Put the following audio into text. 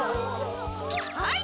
はい。